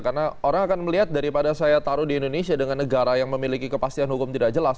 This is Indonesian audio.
karena orang akan melihat daripada saya taruh di indonesia dengan negara yang memiliki kepastian hukum tidak jelas